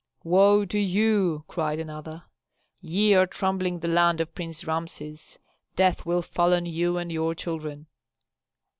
"Woe to you!" cried another. "Ye are trampling the land of Prince Rameses. Death will fall on you and your children."